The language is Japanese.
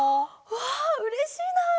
わあうれしいなあ！